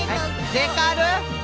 デカル？